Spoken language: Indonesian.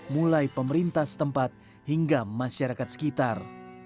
mulai pemerintah setempat hingga masyarakat sekitar